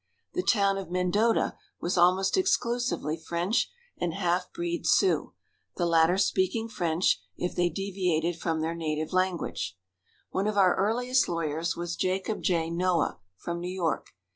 The town of Mendota was almost exclusively French and half breed Sioux, the latter speaking French if they deviated from their native tongue. One of our earliest lawyers was Jacob J. Noah, from New York.